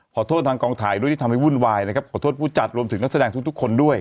ขอโทษทางกองถ่ายด้วยที่ทำให้วุ่นวายนะครับขอโทษผู้จัดรวมถึงนักแสดงทุกทุกคนด้วย